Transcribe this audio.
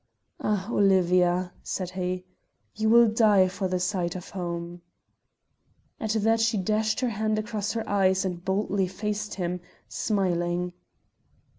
"Ah, Olivia," said he, "you will die for the sight of home." At that she dashed her hand across her eyes and boldly faced him, smiling.